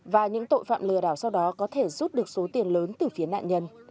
và những tội phạm lừa đảo sau đó có thể rút được số tiền lớn từ phía nạn nhân